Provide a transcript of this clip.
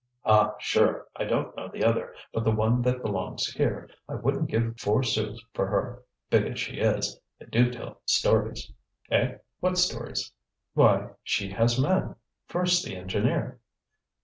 "Ah, sure! I don't know the other, but the one that belongs here, I wouldn't give four sous for her, big as she is. They do tell stories " "Eh? What stories?" "Why, she has men! First, the engineer."